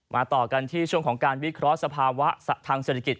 ต่อกันที่ช่วงของการวิเคราะห์สภาวะทางเศรษฐกิจ